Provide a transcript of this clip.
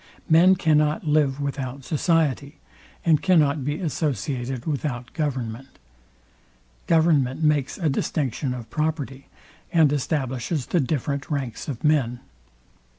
Men cannot live without society, and cannot be associated without government. Government makes a distinction of property, and establishes the different ranks of men.